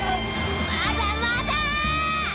まだまだ！